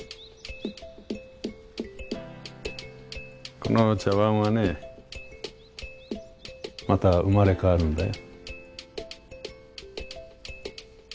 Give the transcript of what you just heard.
この茶わんはねまた生まれ変わるんだよ。